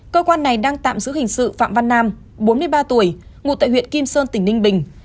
cơ quan này đang tạm giữ hình sự phạm văn nam bốn mươi ba tuổi ngụ tại huyện kim sơn tỉnh ninh bình